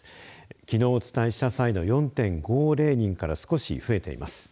きのうお伝えした際の４．５０人から少し増えています。